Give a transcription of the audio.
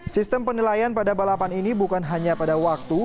sistem penilaian pada balapan ini bukan hanya pada waktu